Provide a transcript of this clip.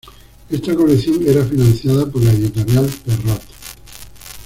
Esta colección era financiada por la editorial Perrot.